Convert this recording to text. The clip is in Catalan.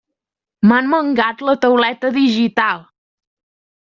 M'han mangat la tauleta digital!